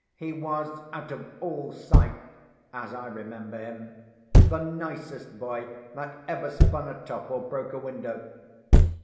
He was, out of all sight (as I remember him), the nicest boy that ever spun a top or broke a window.